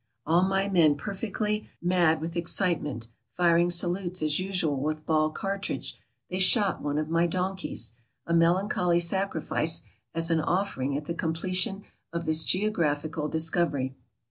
... All my men perfectly mad with excitement ; firing salutes as usual with ball cartridge, they shot one of my donkeys ; a melancholy sacrifice as an offering at the completion of this geographical discovery.